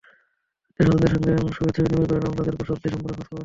আত্মীয়স্বজনদের সঙ্গে শুভেচ্ছা বিনিময় করেন এবং তাঁদের কুশলাদি সম্পর্কে খোঁজখবর নেন।